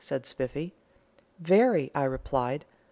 said Spiffy. "Very," I replied.